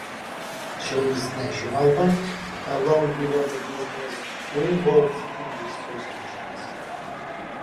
Chase National Bank, along with other businesses, were involved in these transactions.